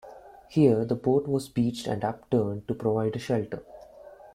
Here the boat was beached and up-turned to provide a shelter.